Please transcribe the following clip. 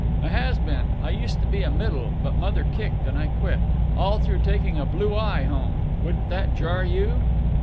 "A has been. I used to be a middle, but mother kicked, and I quit. All through taking a blue eye home! Wouldn't that jar you?"